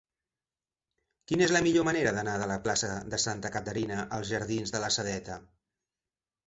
Quina és la millor manera d'anar de la plaça de Santa Caterina als jardins de la Sedeta?